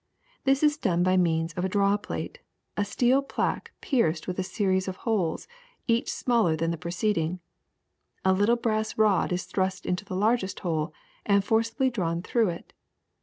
This is done by means of a draw plate, a steel plaque pierced with a series of holes, each smaller than the preceding.* A little brass rod is thrust into the largest hole and forcibly drawn through it.